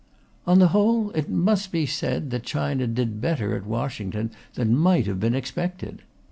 On the whole, it must be said that China did better at Washington than might have been expected.